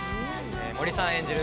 森さん演じる